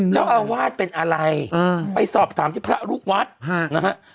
เจ้าอาวาสเป็นอะไรไปสอบถามที่พระลูกวัดนะฮะ